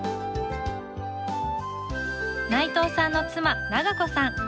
内藤さんの妻良子さん。